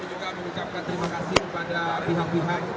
juga mengucapkan terima kasih kepada pihak pihak